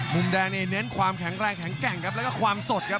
มุมแดงนี่เน้นความแข็งแรงแข็งแกร่งครับแล้วก็ความสดครับ